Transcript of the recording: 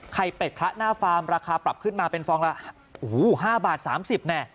เป็ดคละหน้าฟาร์มราคาปรับขึ้นมาเป็นฟองละโอ้โห๕บาท๓๐แน่